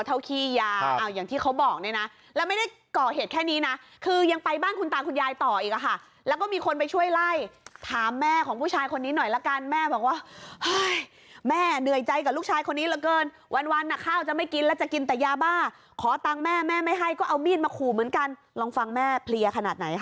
ขี้ยาอย่างที่เขาบอกเนี่ยนะแล้วไม่ได้ก่อเหตุแค่นี้นะคือยังไปบ้านคุณตาคุณยายต่ออีกอะค่ะแล้วก็มีคนไปช่วยไล่ถามแม่ของผู้ชายคนนี้หน่อยละกันแม่บอกว่าเฮ้ยแม่เหนื่อยใจกับลูกชายคนนี้เหลือเกินวันวันข้าวจะไม่กินแล้วจะกินแต่ยาบ้าขอตังค์แม่แม่ไม่ให้ก็เอามีดมาขู่เหมือนกันลองฟังแม่เพลียขนาดไหนค่ะ